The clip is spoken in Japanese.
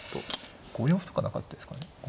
５四歩とかなかったですかね。